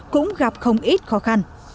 cũng gặp không ít khó khăn